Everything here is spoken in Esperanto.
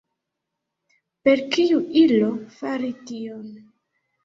Per kiu ilo fari tion?